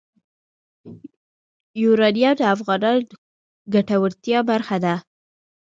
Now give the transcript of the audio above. یورانیم د افغانانو د ګټورتیا برخه ده.